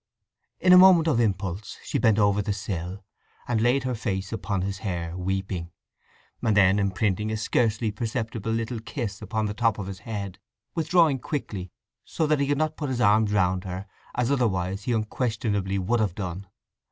In a moment of impulse she bent over the sill, and laid her face upon his hair, weeping, and then imprinting a scarcely perceptible little kiss upon the top of his head, withdrawing quickly, so that he could not put his arms round her, as otherwise he unquestionably would have done.